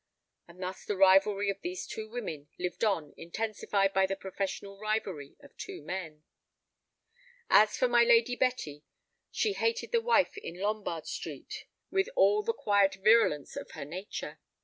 And thus the rivalry of these two women lived on intensified by the professional rivalry of two men. As for my lady Betty, she hated the wife in Lombard Street with all the quiet virulence of her nature.